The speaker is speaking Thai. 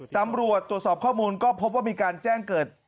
ตำรวจตรวจสอบข้อมูลก็พบว่ามีการแจ้งเกิด